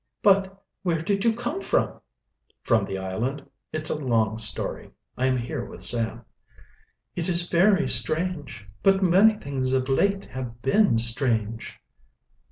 "But where did you come from?" "From the island. It's a long story. I am here with Sam." "It is very strange. But many things of late have been strange."